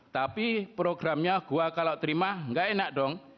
tapi programnya gua kalau terima gak enak dong